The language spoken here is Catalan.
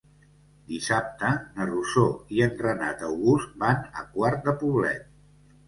Dissabte na Rosó i en Renat August van a Quart de Poblet.